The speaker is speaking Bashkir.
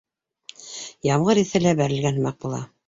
Ямғыр еҫе лә бәрелгән һымаҡ була.